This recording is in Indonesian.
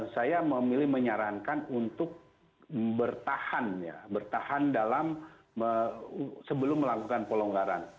saya memilih menyarankan untuk bertahan ya bertahan dalam sebelum melakukan pelonggaran